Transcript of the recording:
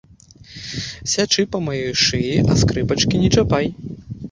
Сячы па маёй шыі, а скрыпачкі не чапай!